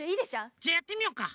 じゃあやってみようか。